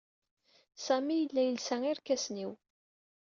Sami yella yelsa irkasen-iw.